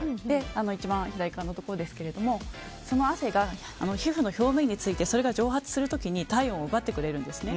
一番左側のところですがその汗が皮膚の表面についてそれが蒸発する時に体温を奪ってくれるんですね。